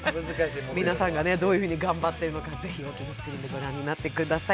皆さんがどういうふうに頑張っているのかぜひ大きなスクリーンでご覧ください。